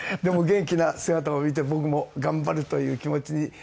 でも元気な姿を見て僕も頑張るという気持ちに。